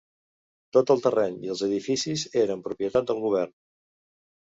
Tot el terreny i els edificis eren propietat del govern.